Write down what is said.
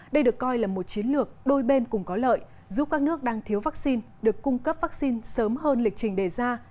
đây được coi là một chiến lược đôi bên cùng có lợi giúp các nước đang thiếu vaccine được cung cấp vaccine sớm hơn lịch trình đề ra